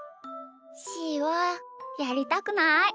しーはやりたくない。